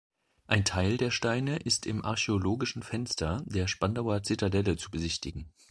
Ein Teil der Steine ist im Archäologischen Fenster der Spandauer Zitadelle zu besichtigen.